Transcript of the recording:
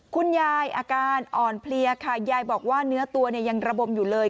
อาการอ่อนเพลียค่ะยายบอกว่าเนื้อตัวยังระบมอยู่เลย